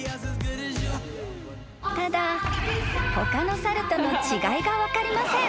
［ただ他の猿との違いが分かりません］